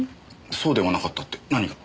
そうではなかったって何が？